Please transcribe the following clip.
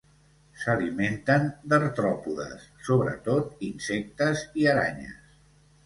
S'alimenten d'artròpodes, sobretot insectes i aranyes.